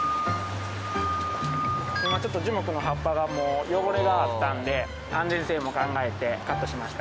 今ちょっと樹木の葉っぱが汚れがあったんで安全性も考えてカットしました。